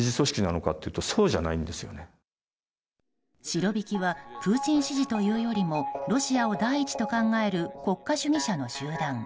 シロビキはプーチン支持というよりもロシアを第一と考える国家主義者の集団。